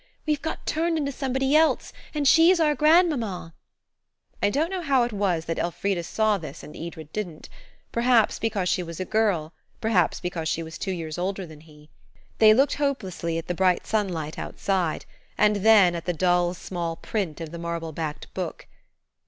"We've got turned into somebody else, and she's our grandmamma." I don't know how it was that Elfrida saw this and Edred didn't. Perhaps because she was a girl, perhaps because she was two years older than he. They looked hopelessly at the bright sunlight outside, and then at the dull, small print of the marble backed book.